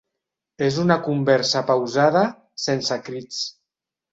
És una conversa pausada, sense crits.